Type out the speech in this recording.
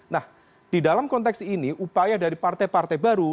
nah di dalam konteks ini upaya dari partai partai baru